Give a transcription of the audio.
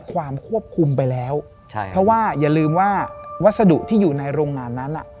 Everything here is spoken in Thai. ความควบคุมไปแล้วเพราะว่าอย่าลืมว่าวัสดุที่อยู่ในโรงงานนั้น